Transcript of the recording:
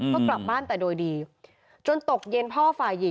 ก็กลับบ้านแต่โดยดี